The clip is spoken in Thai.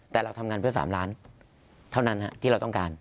แต่เราทำงานเพื่อ๓ล้านเท่านั้นที่เราต้องการ